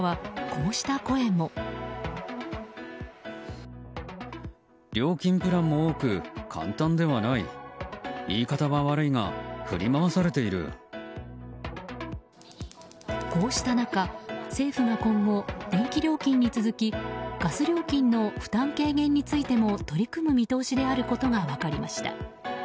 こうした中、政府が今後電気料金に続きガス料金の負担軽減についても取り組む見通しであることが分かりました。